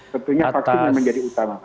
tentunya vaksin menjadi utama